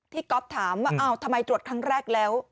ก๊อฟถามว่าทำไมตรวจครั้งแรกแล้ว